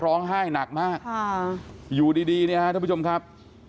ร้องไห้หนักมากอยู่ดีเนี่ยฮะท่านผู้ชมครับ